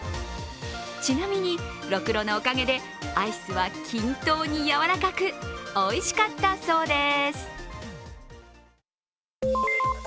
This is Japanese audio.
ちなみに、ろくろのおかげでアイスは、均等にやわらかくおいしかったそうです。